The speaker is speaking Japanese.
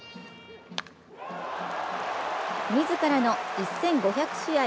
自らの１５００試合